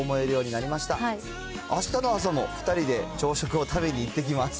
あしたの朝も２人で朝食を食べに行ってきます。